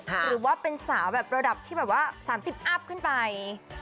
หรือว่าเป็นสาวแบบระดับที่แบบว่า๓๐อัพขึ้นไป